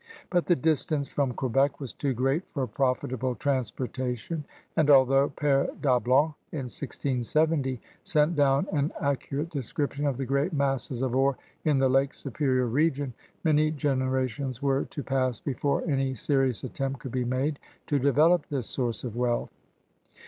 But the distance from Quebec was too great for profitable transportation and, although P^ Dablon in 1670 sent down an accurate description of the great masses of ore in the Lake Superior region, many generations were to pass before any serious attempt could be made to develop this source of wealth.